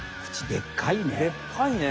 でっかいね。